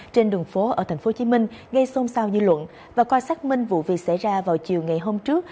trên đường phố ở thành phố hồ chí minh gây xôn xao dư luận và coi xác minh vụ việc xảy ra vào chiều ngày hôm trước